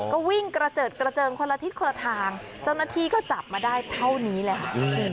ก็วิ่งกระเจิดกระเจิงคนละทิศคนละทางเจ้าหน้าที่ก็จับมาได้เท่านี้เลยค่ะ